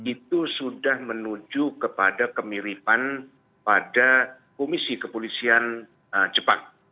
itu sudah menuju kepada kemiripan pada komisi kepolisian jepang